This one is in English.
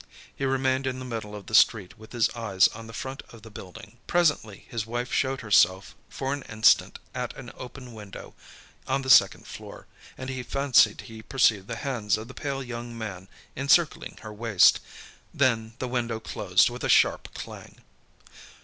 He remained in the middle of the street with his eyes on the front of the building. Presently his wife showed herself for an instant at an open window on the second floor, and he fancied he perceived the hands of the pale young man encircling her waist. Then, the window closed with a sharp clang.